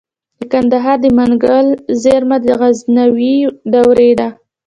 د کندهار د منگل زیرمه د غزنوي دورې ده